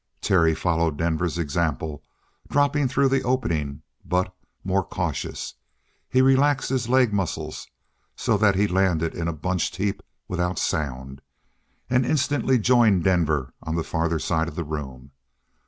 Terry followed Denver's example, dropping through the opening; but, more cautious, he relaxed his leg muscles, so that he landed in a bunched heap, without sound, and instantly joined Denver on the farther side of the room.